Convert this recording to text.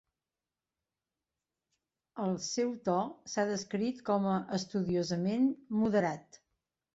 El seu to s'ha descrit com a estudiosament moderat.